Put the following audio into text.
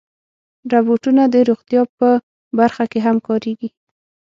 روبوټونه د روغتیا په برخه کې هم کارېږي.